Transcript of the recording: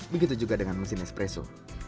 begitu juga dengan mesin espresso